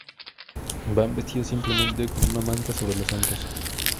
Van vestidos simplemente con una manta sobre los hombros.